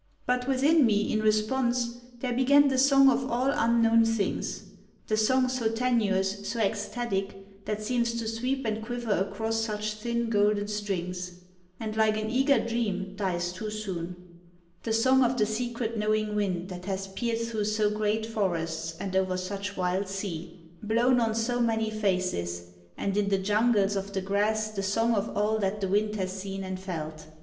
But within me, in response, there began the song of all unknown things; the song so tenuous, so ecstatic, that seems to sweep and quiver across such thin golden strings, and like an eager dream dies too soon. The song of the secret knowing wind that has peered through so great forests and over such wild sea; blown on so many faces, and in the jungles of the grass the song of all that the wind has seen and felt.